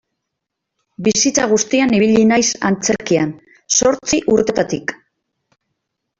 Bizitza guztian ibili naiz antzerkian, zortzi urtetatik.